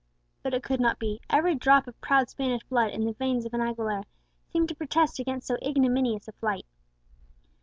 But it could not be; every drop of proud Spanish blood in the veins of an Aguilera seemed to protest against so ignominious a flight.